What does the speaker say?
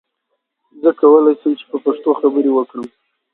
زه کولی سم چې په پښتو خبرې وکړم.